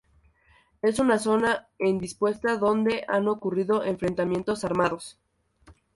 Es una zona en disputa, donde han ocurrido enfrentamientos armados.